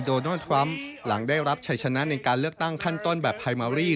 โดนัลด์ทรัมป์หลังได้รับชัยชนะในการเลือกตั้งขั้นต้นแบบไฮมารี่